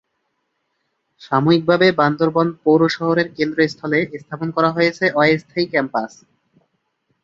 সাময়িকভাবে বান্দরবান পৌর শহরের কেন্দ্রস্থলে স্থাপন করা হয়েছে অস্থায়ী ক্যাম্পাস।